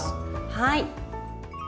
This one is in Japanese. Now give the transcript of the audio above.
はい。